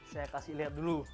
saya kasih lihat dulu